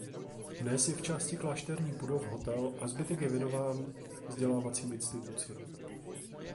Dnes je v části klášterních budov hotel a zbytek je věnován vzdělávacím institucím.